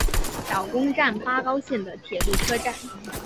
小宫站八高线的铁路车站。